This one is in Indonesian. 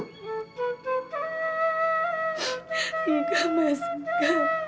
tidak mas tidak